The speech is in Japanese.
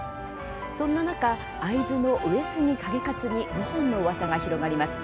そんな中、会津の上杉景勝に謀反のうわさが広がります。